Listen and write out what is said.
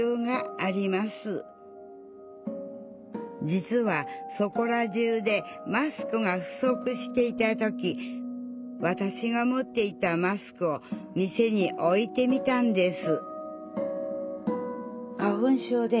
実はそこら中でマスクが不足していた時わたしが持っていたマスクを店に置いてみたんです